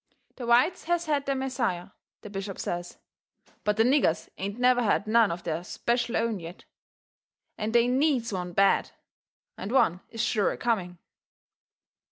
The whites has had their Messiah, the bishop says, but the niggers ain't never had none of their SPECIAL OWN yet. And they needs one bad, and one is sure a coming.